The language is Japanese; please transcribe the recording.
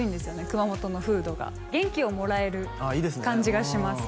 熊本の風土が元気をもらえる感じがします